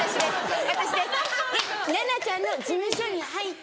奈々ちゃんの事務所に入って。